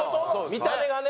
見た目がね。